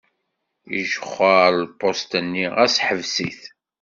Ijexxer lpuṣt-nni, ɣas ḥbes-it.